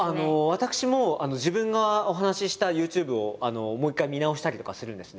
私も自分がお話ししたＹｏｕＴｕｂｅをもう一回見直したりとかするんですね。